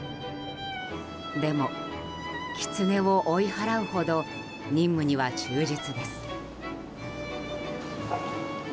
でも、キツネを追い払うほど任務には忠実です。